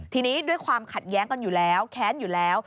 ทีนี้ด้วยความขัดแย้งกันอยู่แล้วแค้นอยู่แล้ว